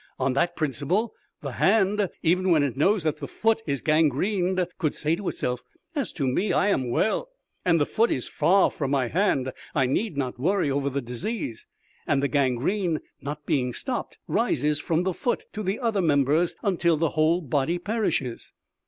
On that principle, the hand, even when it knows that the foot is gangrened, could say to itself: 'As to me, I am well, and the foot is far from the hand I need not worry over the disease.' And the gangrene, not being stopped, rises from the foot to the other members, until the whole body perishes."